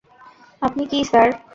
আপনি কী, স্যার?